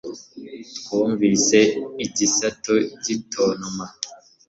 twumvise igisato gitontoma